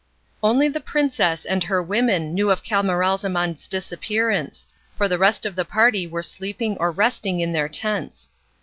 Only the princess and her women knew of Camaralzaman's disappearance, for the rest of the party were sleeping or resting in their tents.